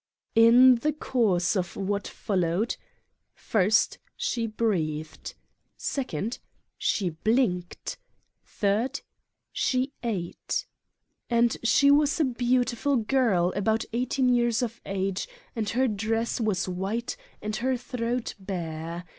" In the course of what followed: 1. She breathed 2. She blinked 3. She ate and she was a beautiful girl, about eighteen years of age, and her dress was white and her throat bare.